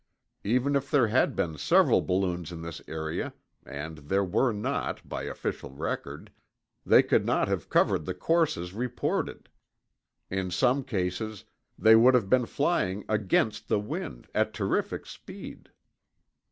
Even if there had been several balloons in this area (and there were not, by official record), they could not have covered the courses reported. In some cases, they would have been flying against the wind, at terrific speed.